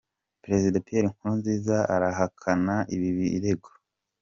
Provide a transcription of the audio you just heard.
Perezida Pierre Nkurunziza arahakana ibi birego: